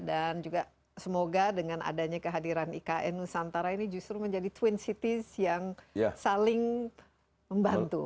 dan juga semoga dengan adanya kehadiran ikn nusantara ini justru menjadi twin cities yang saling membantu